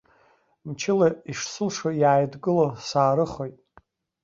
Мчыла, ишсылшо иааидкыло, саарыхоит.